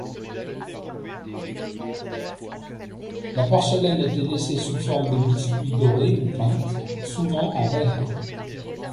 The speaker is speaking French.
La porcelaine était laissée sous forme de biscuit, dorée ou peinte, souvent en vert.